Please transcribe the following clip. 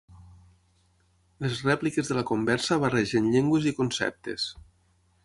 Les rèpliques de la conversa barregen llengües i conceptes.